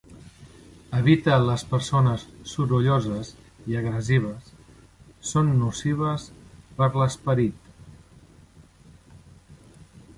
Evita les persones sorolloses i agressives, són nocives per a l'esperit.